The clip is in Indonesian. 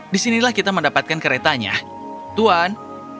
di sini kita mendapatkan keretanya tuan